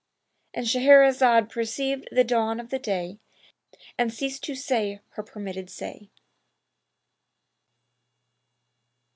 "—And Shahrazad perceived the dawn of day and ceased to say her permitted say.